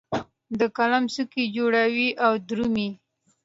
د قلم څوکې جوړوي او درومې